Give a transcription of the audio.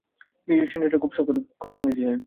Music সেন্টারটা খুব শখ করে কিনেছিলেন।